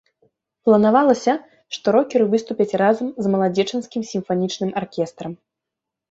Планавалася, што рокеры выступяць разам з маладзечанскім сімфанічным аркестрам.